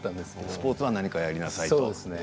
スポーツは何かやりなさいと。